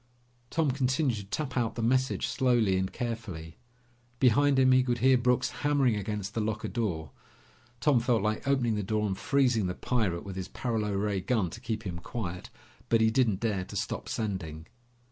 Tom continued to tap out the message slowly and carefully. Behind him, he could hear Brooks hammering against the locker door. Tom felt like opening the door and freezing the pirate with his paralo ray gun to keep him quiet, but he didn't dare to stop sending.